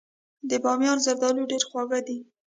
د بامیان زردالو ډیر خواږه دي.